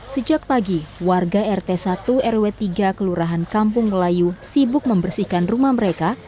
sejak pagi warga rt satu rw tiga kelurahan kampung melayu sibuk membersihkan rumah mereka